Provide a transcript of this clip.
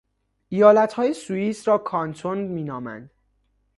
ایالتهای سوئیس را کانتون مینامند.